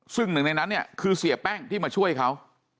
ซึ่งหนึ่งในนั้นเนี่ยคือเสียแป้งที่มาช่วยเขา